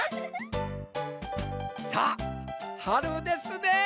さあはるですねえ。